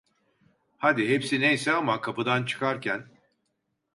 Hadi, hepsi neyse ama, kapıdan çıkarken...